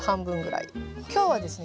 今日はですね